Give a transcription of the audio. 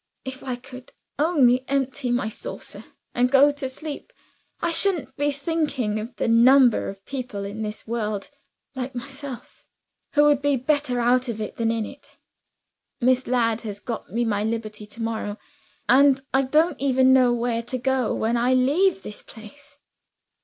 If I could only empty my saucer and go to sleep, I shouldn't be thinking of the number of people in this world, like myself, who would be better out of it than in it. Miss Ladd has got me my liberty tomorrow; and I don't even know where to go, when I leave this place."